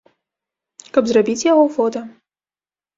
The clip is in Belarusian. Каб зрабіць яго фота.